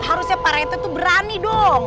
harusnya para itt tuh berani dong